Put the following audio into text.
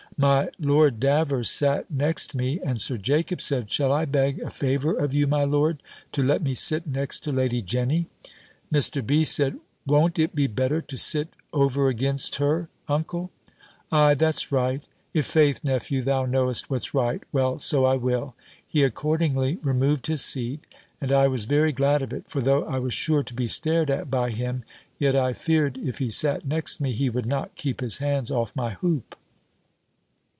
My Lord Davers sat next me, and Sir Jacob said, "Shall I beg a favour of you, my lord, to let me sit next to Lady Jenny?" Mr. B. said, "Won't it be better to sit over against her, uncle?" "Ay, that's right. I' faith, nephew, thou know'st what's right. Well, so I will." He accordingly removed his seat, and I was very glad of it; for though I was sure to be stared at by him, yet I feared if he sat next me, he would not keep his hands off my hoop.